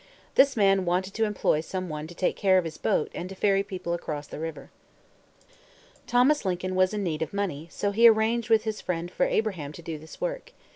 This man wanted to employ some one to take care of his boat and to ferry people across the river. Thomas Lincoln was in need of money; and so he arranged with his friend for Abraham to do this work.